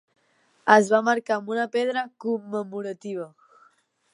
Es va marcar amb una pedra commemorativa.